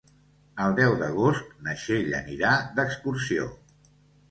El deu d'agost na Txell anirà d'excursió.